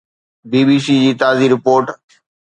بي B C جي تازي report